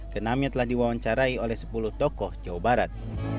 kenamnya telah diwawancarai oleh sepuluh tokoh jawa barat